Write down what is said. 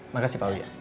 makasih pak uyaa